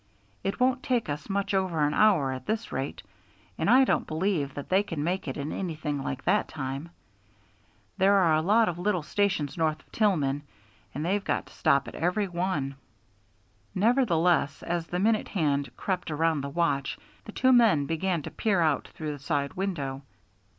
It won't take us much over an hour at this rate, and I don't believe that they can make it in anything like that time. There are a lot of little stations north of Tillman, and they've got to stop at every one." Nevertheless, as the minute hand crept around the watch, the two men began to peer out through the side window.